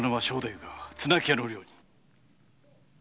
夫が綱木屋の寮に。